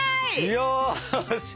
よし！